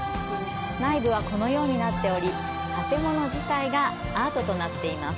内部はこのようになっており、建物自体がアートとなっています。